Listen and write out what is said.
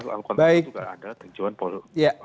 lalu kontennya juga ada